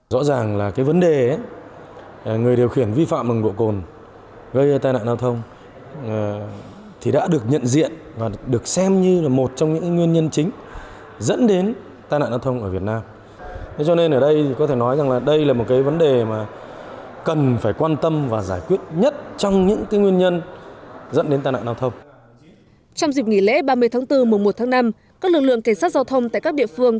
trong dịp nghỉ lễ ba mươi tháng bốn mùa một tháng năm các lực lượng cảnh sát giao thông tại các địa phương